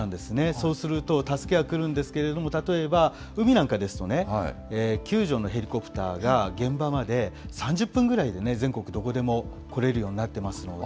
そうすると、助けが来るんですけれども、例えば海なんかですとね、救助のヘリコプターが現場まで３０分ぐらいで全国どこでも来れるようになってますので。